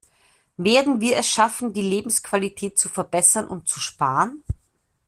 Werden wir es schaffen, die Lebensqualität zu verbessern und zu sparen?